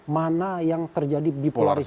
mana yang terjadi bipolarisasi